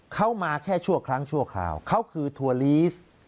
เขามาแค่ชั่วครั้งชั่วคราวเขาคือทัวร์ลีส